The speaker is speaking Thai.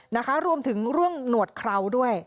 นะคะรวมถึงเรื่องหนวดเคราด้วย